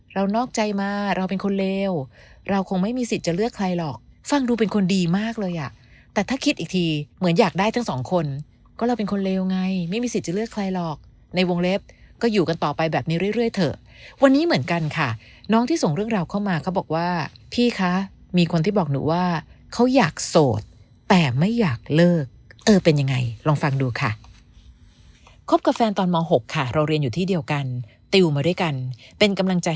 เรานอกใจมาเราเป็นคนเลวเราคงไม่มีสิทธิ์จะเลือกใครหรอกฟังดูเป็นคนดีมากเลยอะแต่ถ้าคิดอีกทีเหมือนอยากได้ทั้งสองคนก็เราเป็นคนเลวไงไม่มีสิทธิ์จะเลือกใครหรอกในวงเล็บก็อยู่กันต่อไปแบบนี้เรื่อยเถอะวันนี้เหมือนกันค่ะน้องที่ส่งเรื่องเราเข้ามาเขาบอกว่าพี่คะมีคนที่บอกหนูว่าเขาอยากโสดแต่ไม่อยากเลิกเออเป็นยังไงลอง